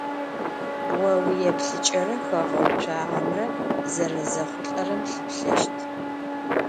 О уиепъыкӏэрэ хэгъэуцуагъэмрэ зэрэзэхъулӏэрэм лъыплъэщт.